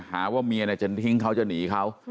หาว่าเมียจะทิ้งเขาจะหนีเขา